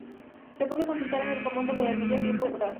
Se puede consultar en el famoso cuadernillo Tiempo de Actuar.